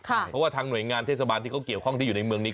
เพราะว่าทางหน่วยงานเทศบาลที่เขาเกี่ยวข้องที่อยู่ในเมืองนี้